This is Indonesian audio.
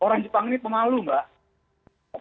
orang jepang ini pemalu mbak